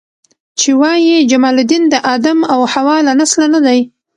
چې وایي جمال الدین د آدم او حوا له نسله نه دی.